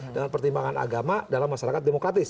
dengan pertimbangan agama dalam masyarakat demokratis